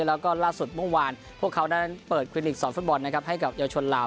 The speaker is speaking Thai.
แล้วก็ล่าสุดเมื่อวานพวกเขานั้นเปิดคลินิกสอนฟุตบอลนะครับให้กับเยาวชนลาว